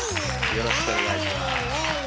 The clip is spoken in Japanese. よろしくお願いします。